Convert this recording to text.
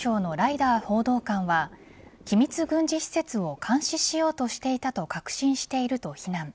国防総省のライダー報道官は機密軍事施設を監視しようとしていたと確信していると非難。